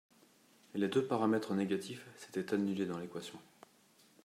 Les deux paramètres négatifs s’étaient annulés dans l’équation.